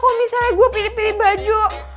kok misalnya gue pilih pilih baju